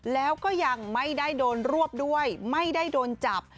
แล้วก็ยังไม่ได้โดนรวบด้วยไม่ได้โดนจับ